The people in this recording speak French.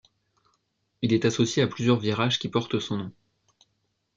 Il est associé à plusieurs virages qui portent son nom.